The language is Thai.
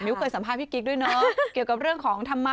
เคยสัมภาษณ์พี่กิ๊กด้วยเนอะเกี่ยวกับเรื่องของธรรมะ